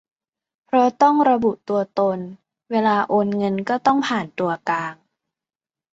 เพราะต้องระบุตัวตน เวลาโอนเงินก็ต้องผ่านตัวกลาง